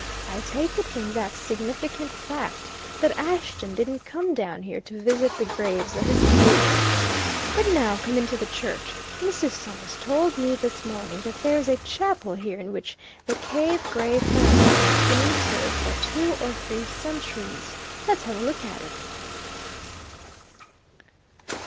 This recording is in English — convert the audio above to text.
I take it from that significant fact that Ashton didn't come down here to visit the graves of his kindred. But now come into the church Mrs. Summers told me this morning that there's a chapel here in which the Cave Gray family have been interred for two or three centuries. Let's have a look at it."